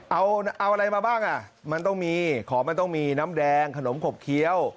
เอาอะไรมาบ้างอ่ะมันต้องมีของมันต้องมีน้ำแดงขนมขบเคี้ยว